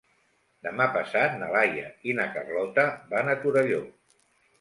Demà passat na Laia i na Carlota van a Torelló.